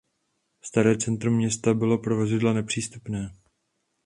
Staré centrum města bylo pro vozidla nepřístupné.